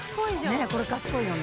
ねえこれ賢いよね。